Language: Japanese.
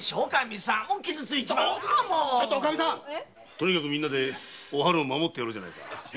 とにかくみんなでお春を守ってやろうじゃないか。